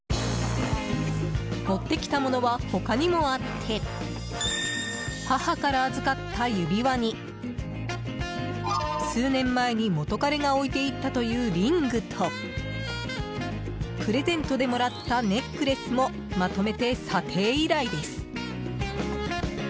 持ってきた物は他にもあって母から預かった指輪に数年前に、元彼が置いていったというリングとプレゼントでもらったネックレスもまとめて査定依頼です。